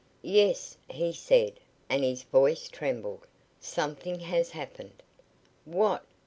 "Yes," he said, and his voice trembled, "something has happened." "What?"